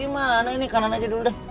gimana ini kanan aja dulu deh